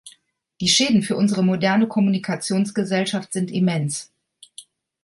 Die Schäden für unsere moderne Kommunikationsgesellschaft sind immens.